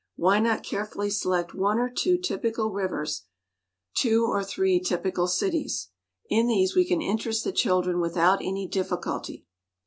Why not carefully select one or two typical rivers, two or three typical cities? In these we can interest the children without any difficulty.